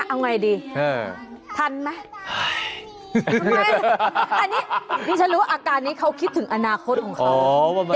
เอาไงดิเออทันไหมอันนี้นี่ฉันรู้อาการนี้เขาคิดถึงอนาคตของเขา